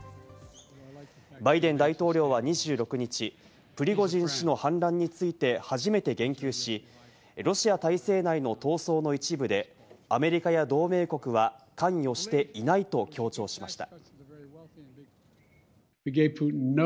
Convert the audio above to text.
バイデン大統領は２６日、プリゴジン氏の反乱について初めて言及し、ロシア体制内の闘争の一部でアメリカや同盟国は関与していないと強調しました。